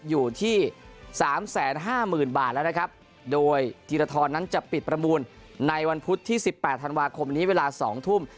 อยู่ที่๓๕๐๐๐๐บาทแล้วนะครับโดยทีรทรนั้นจะปิดประมูลในวันพุธที่๑๘ธันวาคมนี้เวลา๒ทุ่ม